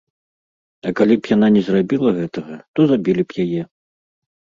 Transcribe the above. А калі б яна не зрабіла гэтага, то забілі б яе.